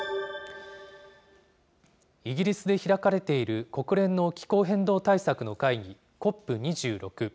イギリスで開かれている国連の気候変動対策の会議、ＣＯＰ２６。